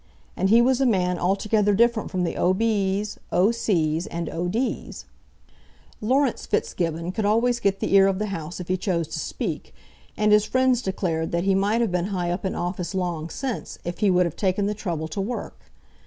And he was a man altogether different from the O'B s, O'C s, and O'D s. Laurence Fitzgibbon could always get the ear of the House if he chose to speak, and his friends declared that he might have been high up in office long since if he would have taken the trouble to work.